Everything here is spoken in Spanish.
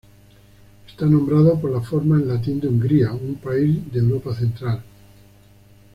Está nombrado por la forma en latín de Hungría, un país de Europa central.